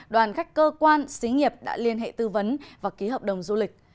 đoàn khách cơ quan xí nghiệp đã liên hệ tư vấn và ký hợp đồng du lịch